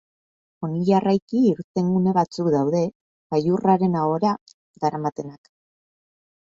Honi jarraiki, irtengune batzuk daude, gailurraren ahora daramatenak.